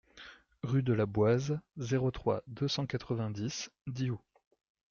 Rue de la Boise, zéro trois, deux cent quatre-vingt-dix Diou